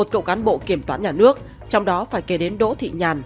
một cựu cán bộ kiểm toán nhà nước trong đó phải kể đến đỗ thị nhàn